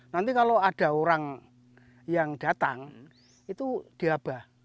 nanti kalau ada orang yang datang itu dirabah